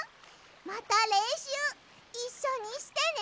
またれんしゅういっしょにしてね！